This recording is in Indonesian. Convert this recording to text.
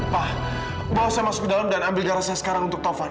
pak bawa saya masuk ke dalam dan ambil darah saya sekarang untuk tovan